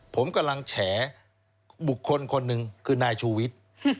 ผมกำลังแฉบุคคลคนหนึ่งคือนายชูวิทย์